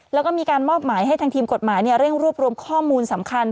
แล้วก็มีการมอบหมายให้ทางทีมกฎหมายเร่งรวบรวมข้อมูลสำคัญ